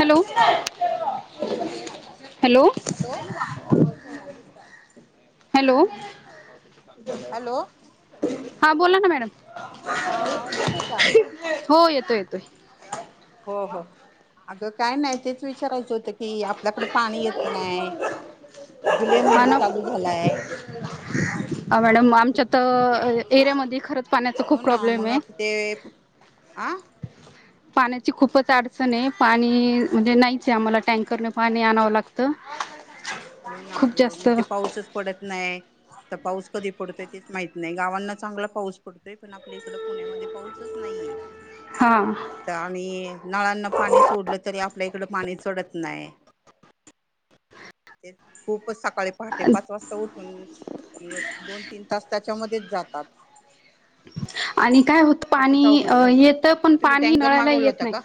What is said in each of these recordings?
Hello hello hello hello hello हा बोला ना मॅडम हा आवाज येतोय का? हो येतोय येतोय हो हो अगं काय नाही तेच विचारायचं होत कि आपल्याकडे पाणी येत नाही जुलै हा महिना ना चालू झालाय. मॅडम आमच्या तर एरियामध्ये खर हो ना मग आता ते आं पाण्याची खूपच अडचण आहे पाणी म्हणजे नाहीच आम्हाला टँकरने पाणी आणावं लागतं. हो ना खूप ग जास्त मग ते पाऊसच पडत नाय. तर पाऊस कधी पडतोय तेच माहित नाही, गावांना चांगला पाऊस पडतोय, पण आपल्या इकड पुण्यामध्ये पाऊसच नाहीये. हा तर आणि नळांना पाणी सोडलं तरी आप आपल्या इकडं पाणी चढत नाय. ते खूपच सकाळी पहाटे पाच वाजता उठून दोन तीन तास त्याच्यामध्येच जातात. आणि काय होत खूपच पाणी अवघड अ झालंय. येत पण तुम्ही पाणी टँकर नळाला मागवला येत होता नाही. का?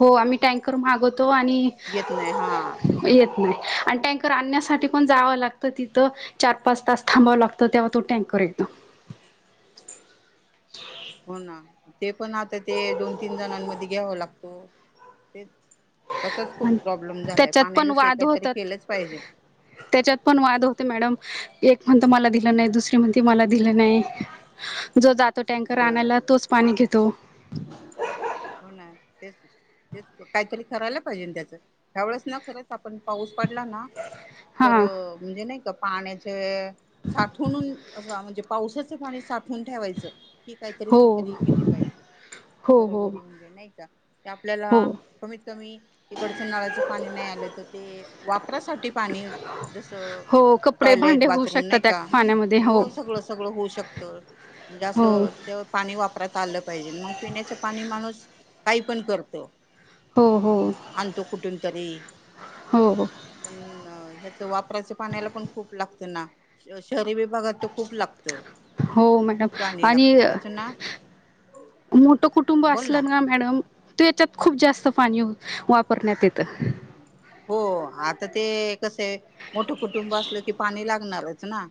हो आम्ही टँकर मागवतो आणि येत नाही हा येत आणि टॅन्कर आणण्यासाठी पण जावं लागतं तिथं चार पाच तास थांबावं लागतं तेव्हा तो टॅन्कर करेक्ट हो ना ते पण आता ते दोन तीन जणांमध्ये घ्यावा लागतं तेच तसाच खूप प्रॉब्लेम झालाय त्याच्यात पण पाण्याविषयी वाद काहीतरी होतात. केलंच पाहिजे. त्याच्यात पण वाद होते मॅडम एक म्हणत मला नाही दुसर म्हणतो मला दिलं नाही जो जातो टँकर आणायला हो तोच पाणी घेतो. हो ना तेच तेच काहीतरी करायला पाहिजे त्याच त्यावेळस ना खरच पण पाऊस पडला ना तर हा म्हणजे नाही का पाण्याचे साठवणून म्हणजे पावसाच पाणी साठ ठेवायच ही काहीतरी हो प्रक्रिया केली पाहिजे हो हो बरोबर. नाही का हो आपल्याला कमीत कमी इकडचं नळाचं पाणी नाही आलं तर ते वापरासाठी पाणी जसं हो कपडे टॉयलेट भांडे होऊ बाथरूम शकतात नाही त्या का पाण्यामध्ये हो सगळं सगळं होऊ शकत. म्हणजे हो असं ते पाणी वापरात आलं पाहिजे मग पिण्याच पाणी माणूस काही पण करतो. हो हो री हो पण वापराच पाण्याला पण खूप लागतं ना! शहरी विभागात तर खूप लागत हो मॅडम खूप प्राणी आणि लागत त्याचं ना मोठं कुटुंब असलं ना मॅडम तू याच्यात खूप जास्त पाणी वापरण्यात येत [unintelligible] हो आता ते कसं मोठं कुटुंब असलं की पाणी लागणारच ना.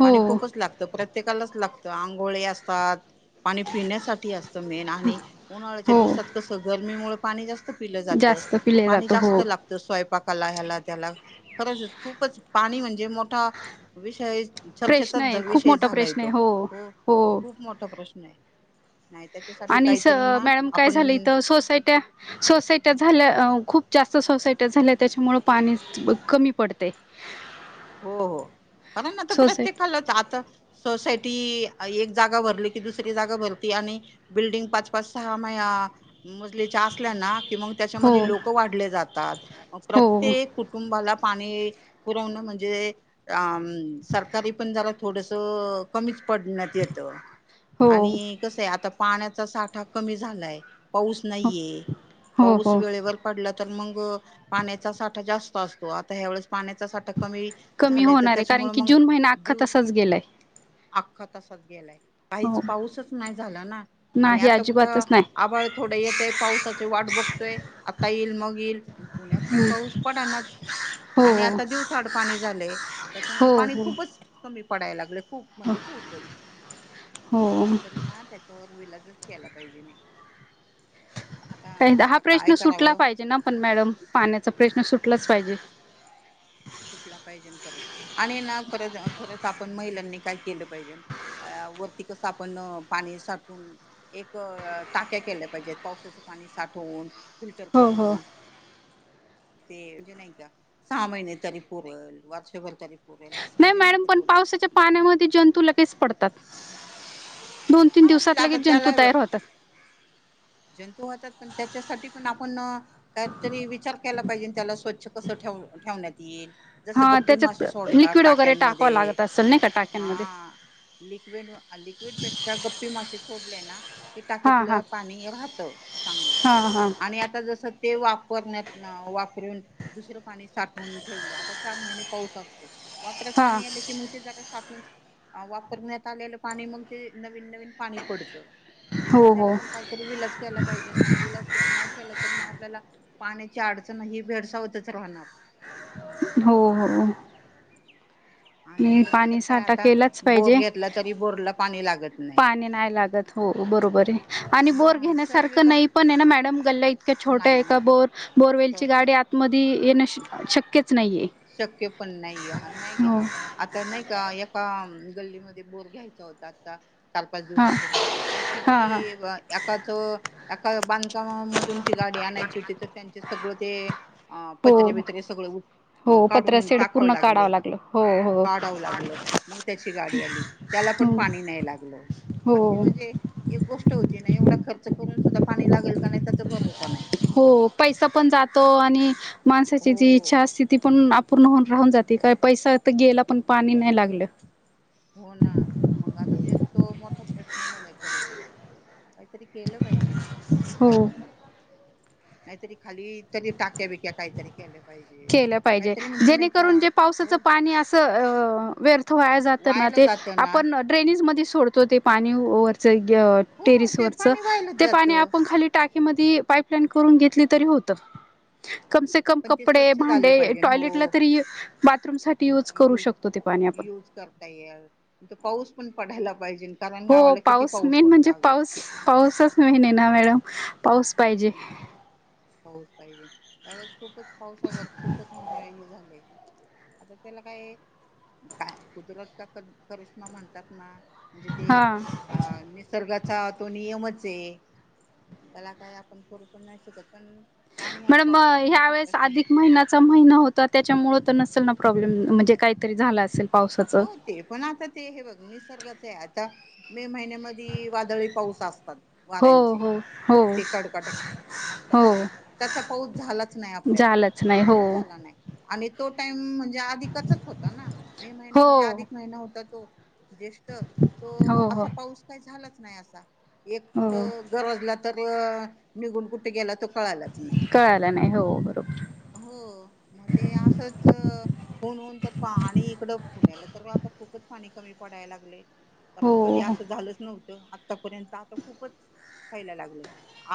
हो पाणी खूपच लागतं प्रत्येकालाच लागतं आंघोळे असतात, पाणी पिण्यासाठी असतं मेन आणि उन्हाळ्याच्या हो दिवसात कसं गरमीमुळे पाणी जास्त पिलं जात जास्त पिले पाणी जातं जास्त हो लागत. स्वयंपाकाला ह्याला त्याला खरंच खूपच पाणी म्हणजे मोठा विषय प्रश्न चर्चेचाच आहे खूप विषय मोठा झालाय प्रश्न तो आहे हो खूप मोठा प्रश्न आहे. नाही त्याच्यासाठी आणि काहीतरी ना मॅडम काय झालं आपण इथ सोसायट्या सोसायट्या झाल्या खूप, जास्त सोसायट्या झाल्या त्यांच्यामुळे पाणी कमी पडते. हो हो पण ना त सोसायट प्रत्येकाला आता सोसायटी, एक जागा भरली की दुसरी जागा भरती आणि बिल्डिंग पाच पाच सहा मजलेच्या असल्या ना किं हो त्याच्यामध्ये लोक वाढले जातात म हो प्रत्येक कुटुंबाला पाणी पुरवण म्हणजे सरकारी पण थोडस कमी पडण्यात येत हो आणि कसं आहे आता पाण्याचा साठा कमी झालाय पाऊस हो नाहीये हो पाऊस हो वेळेवर पडला तर मग पाण्याचा साठा जास्त असतो आता ह्यावेळेस पाण्याचा साठा कमी कमी झालाय तर होणार आहे कारण त्याच्यामुळे की मग जून महिना अख्खा दिवस तसाच गेलाय अख्खा तसाच गेलाय काहीच हो पाऊसच नाही झाला ना आणि नाही आता कुठं अजिबातच नाही आभाळ थोडं येत आहे पावसाची वाट बघतोय आता येईल मग पुण्यात का पाऊस पडना आणि हो आता दिवस पा त्याच्यामुळे हो पाणी हो खूपच कमी पडाय लाग खूप म्हणजे खूप नाही हो काहीतरी ना त्याच्यावर वि केला पाहिजे नाही आता काही हा त्याला काय प्रश्न सुटला करावं पाहिजे ना पण मॅडम पाण्याचा प्रश्न सुटलाच पाहिजे सुटला पाहिजे खरच आणि ना पर खरंच आपण महिलांनी काय केलं पाहिजे वरती कस आपण पाणी साठून एक टाक्या केल्या पाहिजेत पावसाच पाणी साठवून फिलर हो हो करून ते म्हणजे नाही का सहा महि तरीपूर वारषबल तरीपू नाही मॅडम पण पावसाच्या पाण्यामध्ये जंतू लगेच पडतात दोन तीन हा म्हणजे दिवसात आता लगेच त्याला जंतू तयार होतात. जंतू होतात पण त्याच्यासाठी पण आप पण काहीतरी विचार केला पाहिजे त्याला स्वच्छ कसे ठेवण्यात येईल जसं हा गप्पी त्याच्यात मासे सोडतात लिक्विड वगैरे टाकवा टाक्यांमध्ये लागत असेल नाही का टाक्यांमध्ये लिकविड लिकविड बे श गप्पी मासे सोडल्या ना क हा हा टाक्यातलं पाणी राहत चांगलं हा हा आणि आता जस ते वापरण्यात वापरून दुसरं पाणी साठवून ठेवलं आता चार महिने पाऊस असतो वापरात हा पाणी आलं की मग ते जरा साठून वापरण्यात आलेलं पाणी मग ते भन विन पणीि पडत हो आता त्याला हो पण काहीतरी विलास केला पाहिजे नाही विलास नाही केलं तर म आपल्याला पाण्याची अडचण ही भेडसावतच राहणार हो हो आणि मी तस तर पाणी काय साठा आता केलाच बोर पाहिजे. घेतला तरी बोरला पाणी लागत पाणी नाही लागत हो बरोबर आहे आणि बोर हा शहर घेण्यासारखं विभाग नाही पण आहे ना मॅडम गल्ल्या इतक्या छोट्या नाही एका नाही बोर बोरवेलची छोटे गाडी आतमध्ये येण शक्य शक्य पण नाही आहे नाही का हो आता नाही का एका गल्लीमध्ये बोर घ्यायचा होता आता चार पाच हा दिवसापूर्वी ते हा किती हा एकाच एका बांध मधून ती गाडी आणायची होती तर त्यांचे सगळं ते अ पत्रे हो बितरे सगळ हो काढून पत्रसेड टाका पूर्ण लागले काढावं लागलं हो हो काढाव लागलं मग त्याची गाडी आली त्याला हो पा नाही लाग हो म्हणजे गोष्ट व खर्च करून सुद्धा पाणी लागेल का नाही त्याचा भरोसा नाही हो पैसा पण जातो आणि माणसाची जी हो इच्छा असते ती पण अपूर्ण हो राहून जाते काय पैसा तर गेला पण पाणी नाही लागलं हो ना मग आता ते तो मोठा प्रश्न झालाय खर तरच काहीतरी केलं पाहिजे हो बायकांना नाहीहीतरी खाली तरी टाक्या बिक्या काहीतरी केल्या पाहिजेत केलं पाहिजे काहीतरी म्हणजे नाही का जेणेकरून जे पावसाच हो पाणी असं व्य व जात ना वायला ते जात ना आपण ड्रेनेज मध्ये सोडतो ते पाणी वरच हो टेरस ते वरच पाणी वायलाच ते जात पाणी आपण खाली टाकी सेंड करून घेतली तरी होतं पण ते कपडे स्वच्छ भांडे झाले पाहिजे टॉयलेटला हो तरी बाथरूम साठी युज करू शकतो ते पाणी आपण यूज करता पाऊस पण पडायला पाहिजे कारण हो गावाला किती पाऊस मेन पडतो म्हणजे अगं. पाऊस पाऊसच मेन ना मॅडम पाऊस पाहिजे हम्म पाऊस पाहिजे त्याळेस खूपच पावसावर खूपच म्हणजे हे झालंय आता त्याला काय काय कुदरत का करिश्मा म्हणतात ना म्हणजे ते हा अ निसर्गाचा तो नियमच आहे त्याला काय आपण करू पण नाही शकत पण पाणी हा मॅडम खू खूप ह्या मोठा वेळेस प्रश्न आहे. अधिक महिना्याचा महिना होता त्याच्यामुळे तर नसेल ना प्रॉब्लेम म्हणजे काहीतरी झाला असेल पावसाचं हो ते पण आता ते हे बघ निसर्गाच आहे आता मे महिन्यामध्ये वादळी पाऊस असतात हो वाऱ्यांचे हो हो ते कडकटक असतात हो त्याचा पाऊस झालाच नाही आपल्याकड झालंच नाही हो बिलकुल झाला नाही आणि तो टाइम म्हणजे आधिकचच होता ना मे महिना हो म्हणजे अधिक महिना होता तो ज्येष्ठ तो हो हो असा पाऊस काही झालाच नाही असा एक हो कुठं गरजला तर निघून कुठे गेला तो कळालाच नाही कळाला नाही हो बरोबर हो मग ते असंच होऊनन तर पाणी इकडं पुण्याला तर आता खूपच पाणी कमी पडायला लागले कारण हो कधी असं झालंच नव्हत आतापर्यंत आता खूपच पयला लागले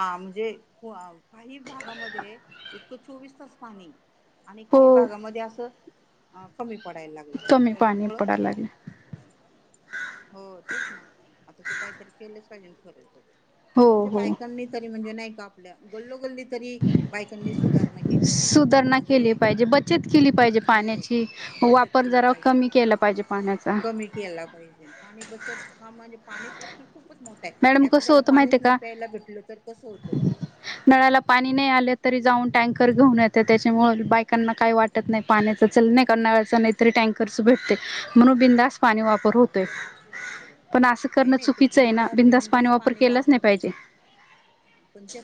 अ म्हणजे काही भागामध्ये इतकं चोवीस तास पाणी आणि हो काही भागामध्ये असं कमी पडायला लागत कमी पाणी पडायला लागे हो तेच ना आता ते काहीतरी केलंच पाहिजे खरचच हो म्हणजे हो बायकांनी तरी म्हणजे नाही कापल्या गलो गल्ली तरी बायकांनी सुधारणा केली पाहिजे सुधारणा म्हणजे केली पाहिजे बचत केली पाहिजे हो पाण्याची बचत वापर केली जरा पाहिजे कमी केला पाहिजे पाण्याचा कमी केला पाहिजे बचत हा म्हणजे पाणी प्रश्न खूप खूपच मोठा मॅडम आहे कसं एखाद्याला होतं माहिती पाणीच आहे नाही का प्यायला भेटलं तर कसं होतं नळाला पाणी नाही आले तरी जाऊन टँकर घेऊन येते त्याच्यामुळे बायकांना काही वाटत नाही पाण्याचा नाळाच नाही करणायाचा नाहीतरी टँकर म्हणून बिनधास्त पाणी वापर होतोय पण असं करण चुकीचं आहे ना बिंदास बिनधास्त पाणी केलाच नाही वापर पाहिजे टँकर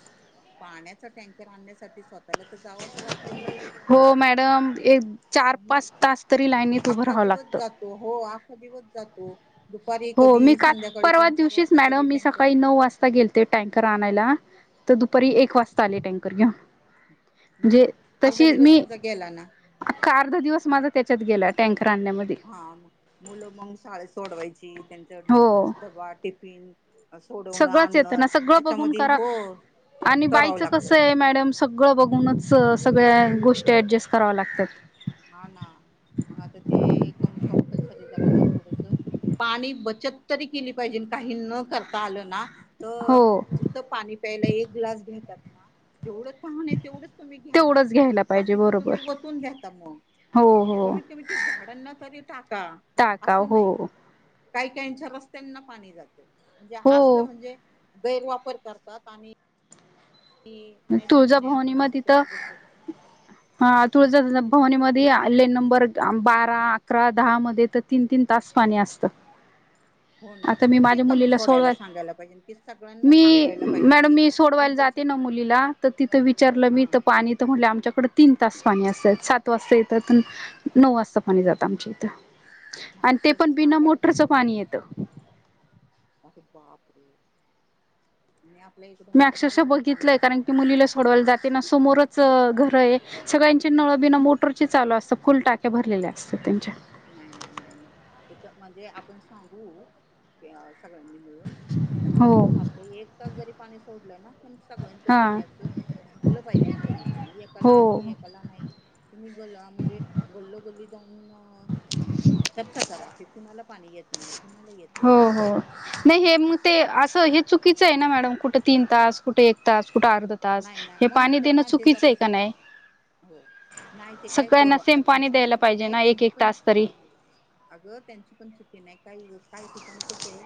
आणण्यासाठी स्वतःला तर जावंच लागतंय ना हो मॅडम एक चार मग पाच तास तरी लाईनीत उभं अख्खा राहावं दिवस लागत जातो हो अख्खा दिवस जातो दुपारी हो मी कधी काल संध्याकाळी परवा तीन चार दिवशीच वाजता कधी मॅडम मी टँकर सकाळी येतो. नऊ वाजता गेलते टँकर आणायला तर दुपारी एक वाजता आली टँकर घे म्हणजे मग अर्धा तशी दिवस मी तुझा गेला ना अख्खा अर्धा दिवस माझा त्याच्यात गेला टँकर आणण्यामध्ये हा मुलं मग शाळेत सोडवायची त्यांच हो डबा टिफिन सोडवणं सगळंच येतं आणणं ना सगळं बघून याच्यामध्ये करा हो आणि करावं बायचं लागतं कस आहे मॅडम सगळं बघूनच सगळ्या गोष्टी ऍडजस्ट कराव्या लागतात. हा ना मग आता ते क कंपल्सरी झाला ना थोडस पाणी बचत तरी केली पाहिजे काही न करता आलं ना तर हो जिथं पाणी प्यायला एक ग्लास घेतात ना जेवढं तहान आहे तेवढंच तुम्ही घ्या ना तेवढंच घ्यायला पाहिजे बाकीच बरोबर तुम्ही वाटून द्याता मग हो हो कमीत कमी ते झाडांना तरी टाका टाकाव असं हो नाही काही काहीच्या रस्त्यांना पाणी जाते म्हणजे असलं हो म्हणजे गैरवापर करतात आणि नाही पाणी नाही तुळजाभवनी आपण म असं तिथ करत बसतो हा तुळजा भवनीमध्ये ले नंबर बारा, अकरा, दहा मध्ये तर तीन तीन तास पाणी असत. [unintelligible] हो ना मग ते कमी सोडायला सोडवायला सांगायला पाहिजे की सगळ्यांना मी सांगायला पाहिजे की कंपल्सरी लीला तिथ विचारलं मी हा पाणी म्हंटले आमच्याकड तीन तास. पाणी असत सात वाजता येतात पण नऊ वाजता पाणी जात आमच्या इथं. हाय आणि ते ना तसं पण बिना सांगाला पाहिजे मोटरचं की पाणी येतं बाप रे बाप. इकडं मी मोटरला अक्षरशः लावून पाणी बघितलंय येत नाही कारण की मुलीला सोडवायला जाते ना समोरच घर आहे सगळ्यांचे नळ बिना मोटर चे चालू असत फुल टाक्या भरलेले असत त्यांच्या नाय नाय नाय नाय त्याचा म्हणजे आपण सांगू की आ सगळ्यांनी मिळून की हो सगळ्यांना सारखं एक तास जरी पाणी सोडलं ना सगळ्यांच हां पिण्याच भागलं पाहिजे कमीत कमी एकाला हो आहे एकाला नाही गळा म्हणजे गल्लो गल्ली जाऊन चर्चा करा की तुम्हाला पाणी येत नाहीत. हो हो नाही हे मग ते अस हे चुकीचं आहे ना मॅडम कुठे तीन तास कुठे एक तास कुठे अर्ध तास नाही ना हे म्हणून पाणी तर देणं ना ते चुकीचं जरा हे का नाय? हो नाय ते काय क पाणी त्यांची पण द्यायला चुकी पाहिजे नाय ना एक त्यांची एक पण तास तरी अगं त्यांची पण चुकी नाय काय ग. काही ठिकाणी कस आहे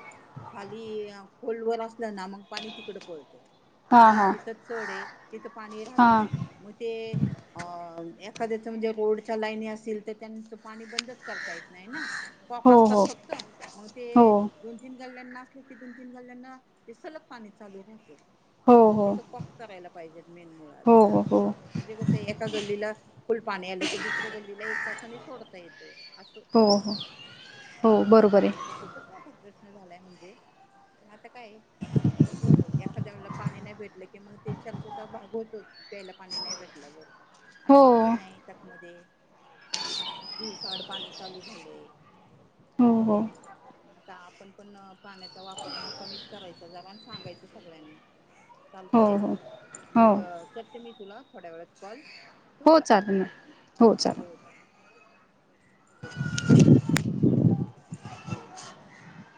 खाली खोलवर असलं ना मग पाणी तिकड पलतं. हा हा! सोडे तिथे पाणी राहत हा नाय म ते एखादाच म्हणजे रोडच्या लाईने असतील तर त्यांचं पाणी बंदच करता येत नाय ना कॉक हो असतात हो फक्त मग ते हो दोन तीन गल्ल्यांना असले की दोन तीन गल्ल्यांना ते सलग पाणी चालू राहतं. हो हो! तिथं कॉक करायला पाहिजेत मेन मुळात. हो हो हो म्हणजे कस हे एका गल्लीला फुल पाणी आलं की दुसऱ्या गल्लीला एक तासाने सोडता येतो. हो हो हो बरोबर आहे. पाण्याचा खूपच मोठा प्रश्न झालाय म्हणजे आता काय एखाद्याला पाणी नाही भेटल की मग ते चर्चाचा भाग होतोच प्यायला पाणी नाय भेटल्यावर आणि हो पाऊस नाही त्यातमध्ये दिवसाआड पाणी चालू झाले. हो हो! आता आपण पण पाण्याचा वापर कमीच करायचा जरा आणि सांगायच सगळ्यांना. हो चालते हो हो मग करते मी तुला थोड्या वेळात कॉल. ठेवू हो का चालल ना हो चालेल. [inaudible]